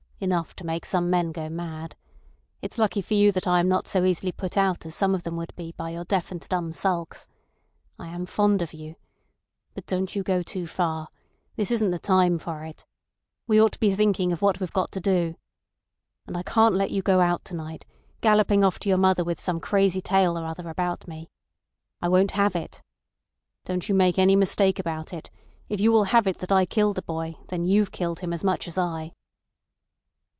"Enough to make some men go mad. It's lucky for you that I am not so easily put out as some of them would be by your deaf and dumb sulks. I am fond of you. But don't you go too far. This isn't the time for it. We ought to be thinking of what we've got to do. And I can't let you go out to night, galloping off to your mother with some crazy tale or other about me. I won't have it. Don't you make any mistake about it: if you will have it that I killed the boy, then you've killed him as much as I."